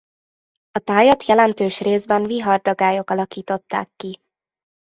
A tájat jelentős részben vihardagályok alakították ki.